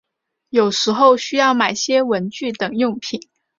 有时候需要买些文具等用品